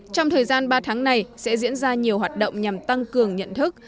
trong thời gian ba tháng này sẽ diễn ra nhiều hoạt động nhằm tăng cường nhận thức